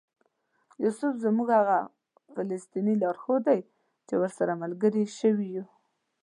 یوسف زموږ هغه فلسطینی لارښود دی چې ورسره ملګري شوي یو.